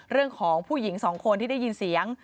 เรื่องของผู้หญิงสองคนที่ได้ยินเสียง